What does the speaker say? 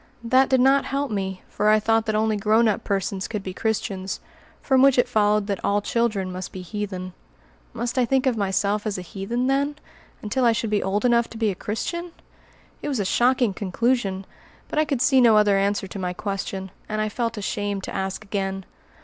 That did not help me for I thought that only grown up persons could be Christians, from which it followed that all children must be heathen. Must I think of Myself as a heathen, then, until I should be old enough to be a Christian? It was a shocking conclusion, but I could see no other answer to my question, and I felt ashamed to ask again.